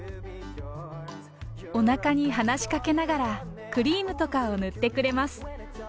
おなかに話しかけながらクリームとかを塗ってくれます。